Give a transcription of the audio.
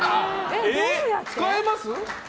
使えます？